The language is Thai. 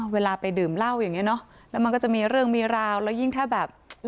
เวลาไปดื่มเหล้าอย่างเงี้เนอะแล้วมันก็จะมีเรื่องมีราวแล้วยิ่งถ้าแบบ